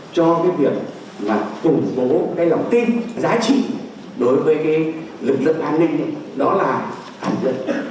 cho cái việc mà củng bố cái lòng tin giá trị đối với cái lực dẫn an ninh đó là an dân